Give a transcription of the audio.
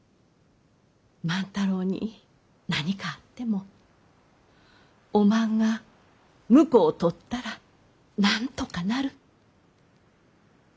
万太郎に何かあってもおまんが婿を取ったらなんとかなる。